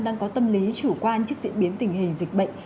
đang có tâm lý chủ quan trước diễn biến tình hình dịch bệnh